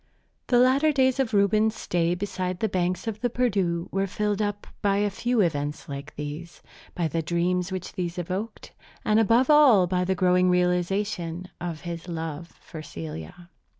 The latter days of Reuben's stay beside the banks of the Perdu were filled up by a few events like these, by the dreams which these evoked, and above all by the growing realization of his love for Celia.